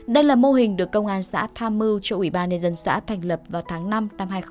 đây là mô hình được công an xã tham mưu cho ủy ban nhân dân xã thành lập vào tháng năm năm hai nghìn hai mươi ba